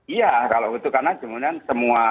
iya kalau itu karena